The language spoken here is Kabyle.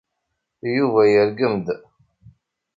Yuba yergem-d.